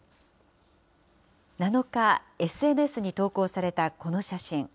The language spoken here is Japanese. ７日、ＳＮＳに投稿されたこの写真。